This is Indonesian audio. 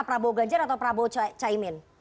prabowo ganjar atau prabowo caimin